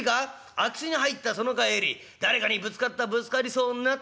空き巣に入ったその帰り誰かにぶつかったぶつかりそうになった。